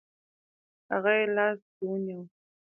هغه یې لاس کې ونیوه.